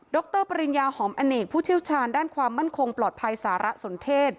รปริญญาหอมอเนกผู้เชี่ยวชาญด้านความมั่นคงปลอดภัยสารสนเทศ